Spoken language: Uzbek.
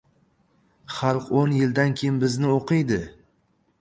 — Xalq o‘n yildan keyin bizni o‘qiydi!